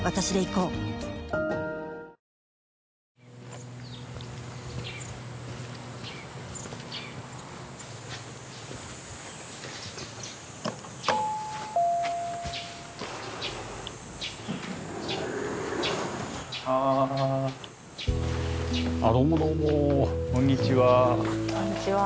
こんにちは。